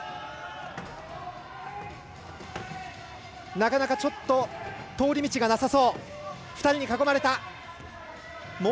なかなかちょっと通り道がなさそう。